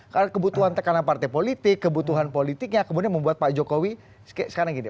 karena kebutuhan tekanan partai politik kebutuhan politiknya kemudian membuat pak jokowi sekarang gini